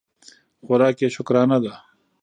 خوراک یې شکرانه ده.